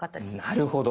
なるほど。